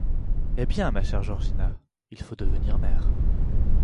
Eh bien, ma chère Georgina, il faut devenir mère.